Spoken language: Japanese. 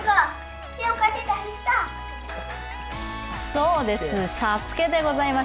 そうです、「ＳＡＳＵＫＥ」でございます。